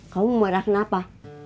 kamu marah kenapa